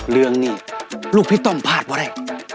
เรื่องนี้ลูกพี่ต้มพาดบ่อย